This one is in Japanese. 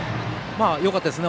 よかったですね。